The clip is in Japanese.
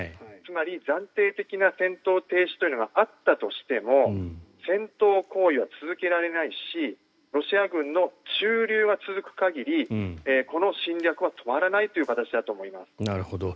つまり暫定的な戦闘停止というのがあったとしても戦闘行為は続けられないしロシア軍の駐留が続く限りこの侵略は止まらないという形だと思います。